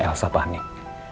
biar elsa panik